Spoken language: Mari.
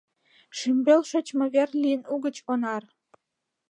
Шӱмбел шочмо вер лийын угыч Онар.